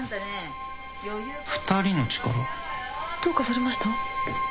どうかされました？